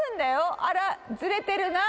あら、ずれてるな。